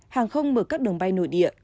hàng không mở các đường bay nội địa